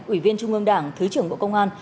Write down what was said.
ủy viên trung ương đảng thứ trưởng bộ công an